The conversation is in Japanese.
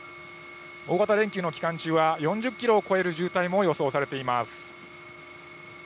大型連休の期間中は４０キロを超える渋滞も予想されています。